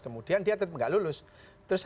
kemudian dia tetap nggak lulus terus